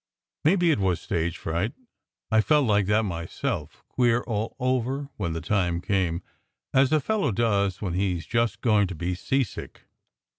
Maybe it was stage fright. I felt like that myself queer all over when the time came, as a fellow does when he s just going to be seasick.